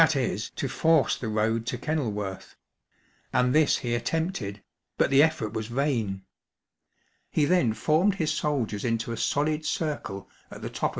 e ., to force the road to Kenil worth \ and this he attempted, but the effort was vain. He then formed his soldiers into a solid circle at the top 300 THE BATTLE OF EVESHAM.